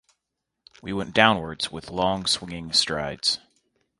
We went downwards with long swinging strides.